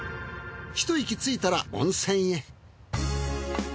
ひと息ついたら温泉へ。